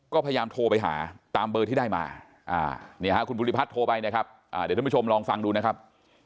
ก็พยายามโทรไปหาตามเบอร์ที่ได้มาคุณภูริพัฒน์โทรไปนะครับเดี๋ยวท่านผู้ชมลองฟังดูนะครับ